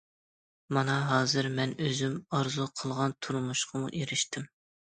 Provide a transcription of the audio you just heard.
مانا ھازىر مەن ئۆزۈم ئارزۇ قىلغان تۇرمۇشقىمۇ ئېرىشتىم.